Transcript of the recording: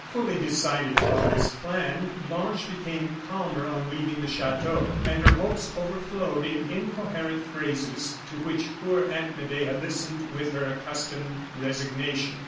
Fully decided upon this plan, Blanche became calmer on leaving the chateau; and her hopes overflowed in incoherent phrases, to which poor Aunt Medea listened with her accustomed resignation.